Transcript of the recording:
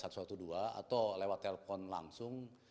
atau lewat telepon langsung